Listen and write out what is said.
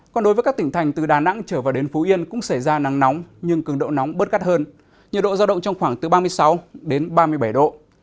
còn đối với các tỉnh thành từ đà nẵng trở vào đến phú yên cũng xảy ra nắng nóng nhưng cường độ nóng bớt gắt hơn nhiệt độ giao động trong khoảng từ ba mươi sáu đến ba mươi bảy độ